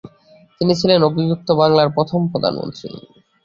তিনি ছিলেন অবিভক্ত বাংলার প্রথম প্রধানমন্ত্রী।